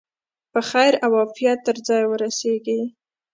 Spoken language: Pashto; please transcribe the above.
په خیر او عافیت تر ځایه ورسیږي.